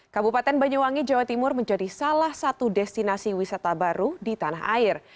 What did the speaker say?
kabupaten banyuwangi jawa timur menjadi salah satu destinasi wisata baru di tanah air